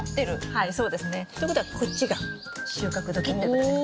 はいそうですね。ということはこっちが収穫時ってことです。